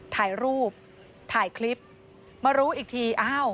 ถ่ายรูปถ่ายคลิปมารู้อีกทีอ้าว